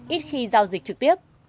ít khi giao dịch trực tiếp